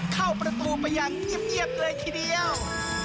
เข้าประตูไปอย่างเงียบเลยทีเดียว